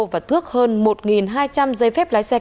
và thước hơn một hai trăm năm mươi xe xe xe